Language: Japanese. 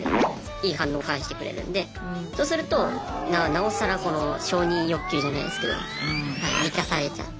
いい反応返してくれるんでそうするとなおさらこの承認欲求じゃないですけど満たされちゃって。